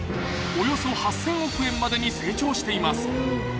およそ８０００億円までに成長しています